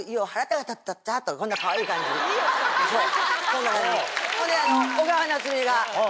そうそんな感じ。